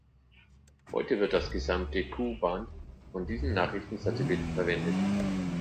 Heute wird das gesamte Ku-Band von diesen Nachrichtensatelliten verwendet.